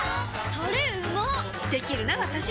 タレうまっできるなわたし！